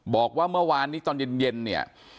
บอกว่าเมื่อวานนี้ตอนเย็นเนี่ย